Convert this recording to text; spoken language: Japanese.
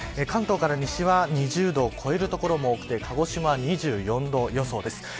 関東から西は２０度を超える所も多く、鹿児島２４度予想です。